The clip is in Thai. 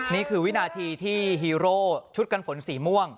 นี่คือวินาทีที่ฮีโร่ชุดกันฝนสีม่วง